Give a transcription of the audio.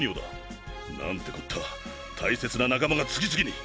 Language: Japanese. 何てこった大切な仲間が次々に！